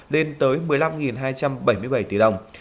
lên tới một mươi năm hai trăm bảy mươi bảy tỷ đồng